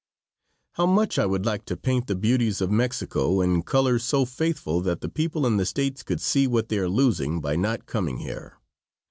How much I would like to paint the beauties of Mexico in colors so faithful that the people in the States could see what they are losing by not coming here.